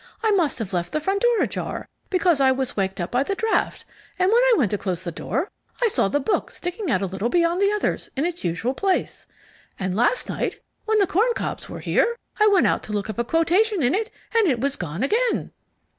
I must have left the front door ajar, because I was waked up by the draught, and when I went to close the door I saw the book sticking out a little beyond the others, in its usual place. And last night, when the Corn Cobs were here, I went out to look up a quotation in it, and it was gone again."